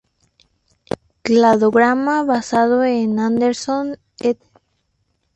Cladograma basado en Anderson "et al.